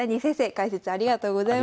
解説ありがとうございました。